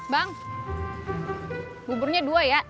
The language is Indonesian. bang buburnya dua ya